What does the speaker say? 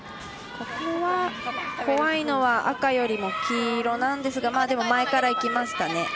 ここは怖いのは赤よりも黄色なんですがでも、前からいきましたね。